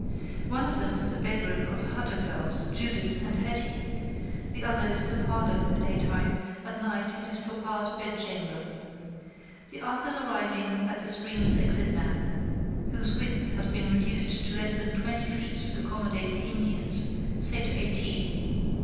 One of them is the bedroom of the Hutter girls, Judith and Hetty; the other is the parlor in the daytime, at night it is papa's bedchamber. The ark is arriving at the stream's exit now, whose width has been reduced to less than twenty feet to accommodate the Indians say to eighteen.